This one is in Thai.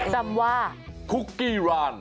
จำว่าคุกกี้ราน